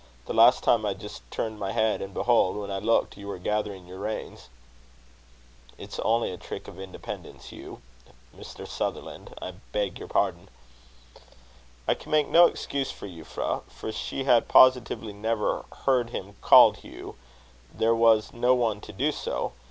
The last time, I just turned my head, and, behold! when I looked, you were gathering your reins." "It is only a trick of independence, Hugh Mr. Sutherland I beg your pardon." I can make no excuse for Euphra, for she had positively never heard him called Hugh: there was no one to do so.